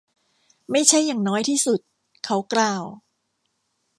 ไม่ใช่อย่างน้อยที่สุด. เขากล่าว